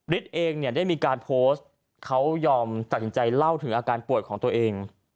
เองเนี่ยได้มีการโพสต์เขายอมตัดสินใจเล่าถึงอาการป่วยของตัวเอง